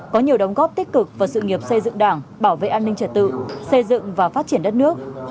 có nhiều đóng góp tích cực vào sự nghiệp xây dựng đảng bảo vệ an ninh trật tự xây dựng và phát triển đất nước